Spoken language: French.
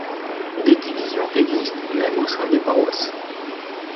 Des divisions existent même au sein des paroisses.